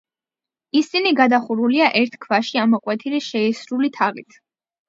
ისინი გადახურულია ერთ ქვაში ამოკვეთილი შეისრული თაღით.